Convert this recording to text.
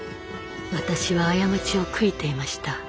私は過ちを悔いていました。